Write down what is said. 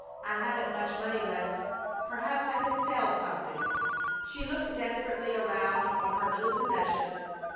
"I haven't much money left. Perhaps I could sell something!" She looked desperately around on her little possessions.